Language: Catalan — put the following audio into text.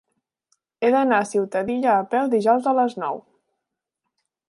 He d'anar a Ciutadilla a peu dijous a les nou.